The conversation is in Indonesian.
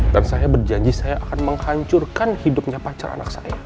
dan saya berjanji saya akan menghancurkan hidupnya pacar anak saya